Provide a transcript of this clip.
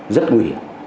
rất nguy hiểm